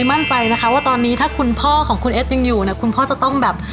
มั่นใจนะคะว่าตอนนี้ถ้าคุณพ่อของคุณเอสยังอยู่เนี่ยคุณพ่อจะต้องแบบ